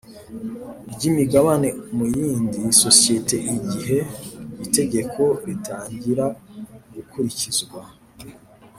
rw imigabane mu yindi sosiyete Igihe itegeko ritangiragukurikizwa